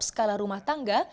skala rumah tangga